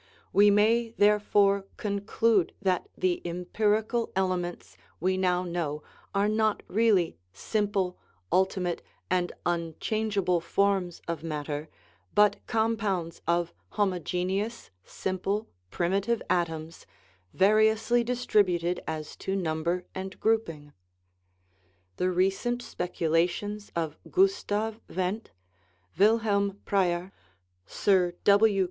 We may, therefore, conclude that the " empirical elements " we now know are not really sim ple, ultimate, and unchangeable forms of matter, but compounds of homogeneous, simple, primitive atoms, variously distributed as to number and grouping. The recent speculations of Gustav Wendt, Wilhelm Preyer, Sir W.